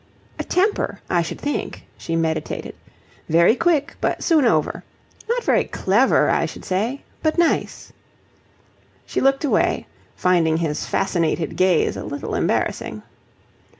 "A temper, I should think," she meditated. "Very quick, but soon over. Not very clever, I should say, but nice." She looked away, finding his fascinated gaze a little embarrassing.